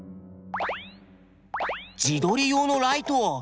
自撮り用のライト！